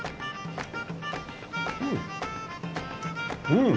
うん！